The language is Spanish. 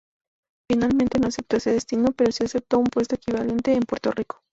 Finalmente no aceptó ese destino, pero sí aceptó un puesto equivalente en Puerto Rico.